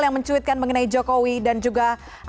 yang mencuitkan mengenai jokowi dan juga